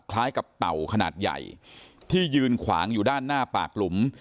คล้ายกับเต่าขนาดใหญ่ที่ยืนขวางอยู่ด้านหน้าปากหลุม